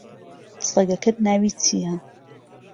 سەگەکەت ناوی چییە؟